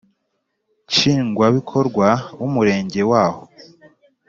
Nshingwabikorwa w Umurenge w aho